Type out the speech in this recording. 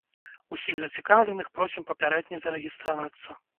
Усіх зацікаўленых просім папярэдне зарэгістравацца.